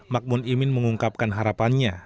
makmun imin mengungkapkan harapannya